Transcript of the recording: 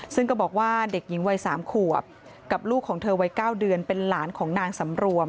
ซึ่งก็บอกว่าเด็กหญิงวัย๓ขวบกับลูกของเธอวัย๙เดือนเป็นหลานของนางสำรวม